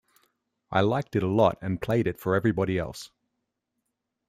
I liked it a lot and played it for everybody else.